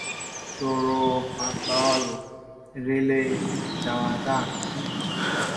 চরো পাতাল রেলে যাওয়া যাক।